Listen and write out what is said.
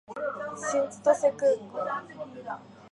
新千歳空港